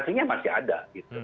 kasusnya masih ada